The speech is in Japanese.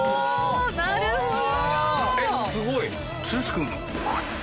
なるほど！